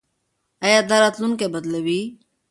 ایا دا راتلونکی بدلوي؟